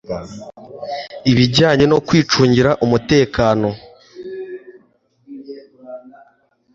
ibijyanye no kwicungira umutekano,